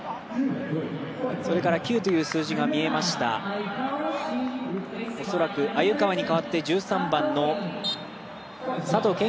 それから９という数字が見えました恐らく、鮎川に代わって１３番の佐藤恵